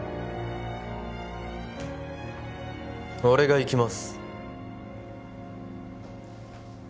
俺が行きます